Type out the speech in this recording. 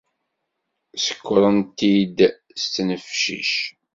Ssekkren-t-id s ttnefcic.